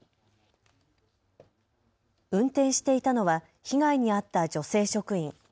運転していたのは被害に遭った女性職員。